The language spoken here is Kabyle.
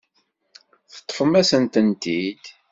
Teṭṭfem-asent-tent-id.